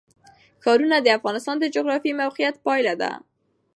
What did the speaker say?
ښارونه د افغانستان د جغرافیایي موقیعت پایله ده.